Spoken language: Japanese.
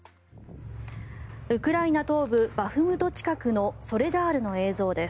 ウクライナ東部バフムト近くのソレダールの映像です。